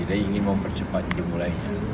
dan ingin mempercepat dimulainya